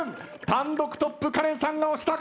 単独トップカレンさんが押した。